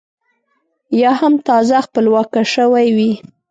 یا هم تازه خپلواکه شوې وي.